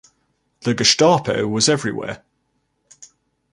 The Gestapo was everywhere.